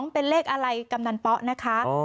เป็นเลขอะไรกำนันป๊อนะคะ